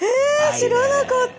知らなかった。